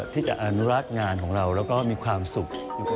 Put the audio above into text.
ที่จะอนุรักษ์งานของเราแล้วก็มีความสุข